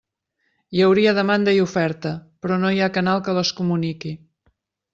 Hi hauria demanda i oferta, però no hi ha canal que les comuniqui.